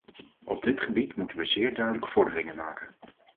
Op dit gebied moeten we zeer duidelijk vorderingen maken.